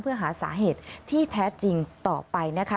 เพื่อหาสาเหตุที่แท้จริงต่อไปนะคะ